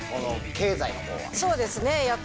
経済の方は。